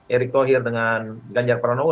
erick thohir dengan ganjar pranowo